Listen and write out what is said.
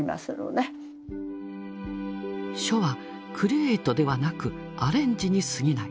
書はクリエートではなくアレンジにすぎない。